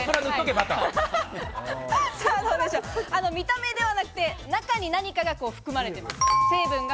見た目ではなくて、中に何かが含まれてます。